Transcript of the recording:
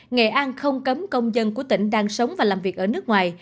nghệ an không cấm công dân của tỉnh đang sống và làm việc ở nước ngoài